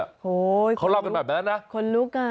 โอ้โหเขาเล่ากันแบบนั้นนะคนลุกอ่ะ